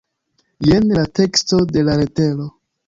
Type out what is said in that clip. Jen la teksto de la letero.